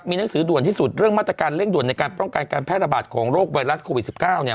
หนังสือด่วนที่สุดเรื่องมาตรการเร่งด่วนในการป้องกันการแพร่ระบาดของโรคไวรัสโควิด๑๙